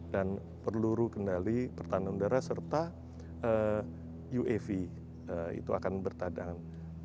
dan peluru kendali pertahanan udara serta uav itu akan bertadangan